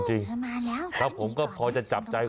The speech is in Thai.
ความลับของแมวความลับของแมวความลับของแมว